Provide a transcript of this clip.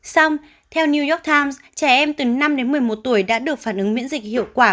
xong theo new york times trẻ em từ năm đến một mươi một tuổi đã được phản ứng miễn dịch hiệu quả